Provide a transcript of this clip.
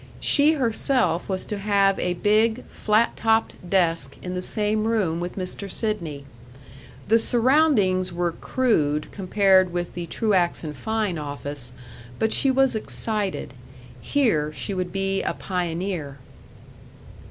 She herself was to have a big flat topped desk in the same room with Mr. Sidney. The surroundings were crude compared with the Truax & Fein office, but she was excited. Here she would be a pioneer.